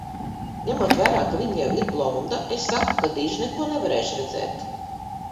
Ņemot vērā, ka viņa jau ir blonda, es saku, ka diži neko nevarēšu redzēt.